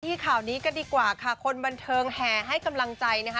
ข่าวนี้กันดีกว่าค่ะคนบันเทิงแห่ให้กำลังใจนะคะ